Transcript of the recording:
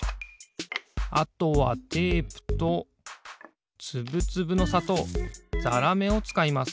あとはテープとつぶつぶのさとうざらめをつかいます。